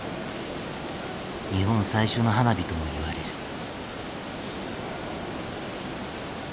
日本最初の花火ともいわれる。